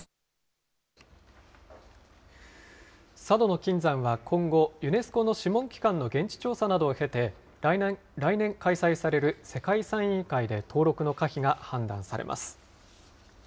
佐渡島の金山は今後、ユネスコの諮問機関の現地調査などを経て、来年開催される世界遺産委員会で登録の可否が判断されます。